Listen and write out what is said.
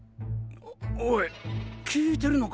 おい聞いてるのか？